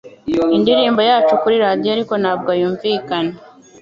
Indirimbo yacu kuri radio ariko ntabwo yumvikana